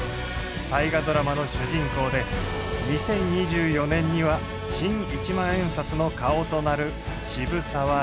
「大河ドラマ」の主人公で２０２４年には新一万円札の顔となる渋沢栄一。